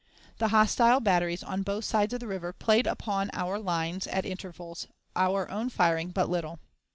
The hostile batteries on both sides of the river played upon our lines at intervals, our own firing but little.